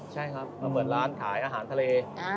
ใช่ครับมาเปิดร้านขายอาหารทะเล